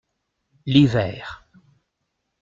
L’hiver.